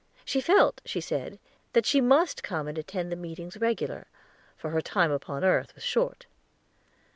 She felt, she said, that she must come and attend the meetings regular, for her time upon earth was short.